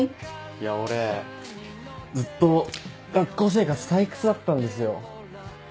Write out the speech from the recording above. いや俺ずっと学校生活退屈だったんですよ。